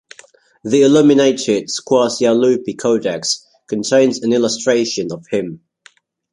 The illuminated "Squarcialupi Codex" contains an illustration of him.